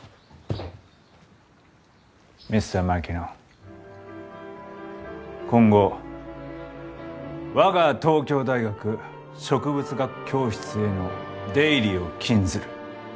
Ｍｒ．Ｍａｋｉｎｏ．今後我が東京大学植物学教室への出入りを禁ずる。